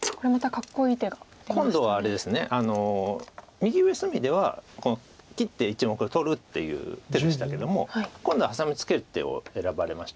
右上隅では切って１目取るっていう手でしたけども今度はハサミツケる手を選ばれました。